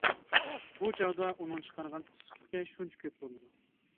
بۇ چاغدا ئۇنىڭ چىقارغان ئىسسىقلىقى شۇنچە كۆپ بولىدۇ.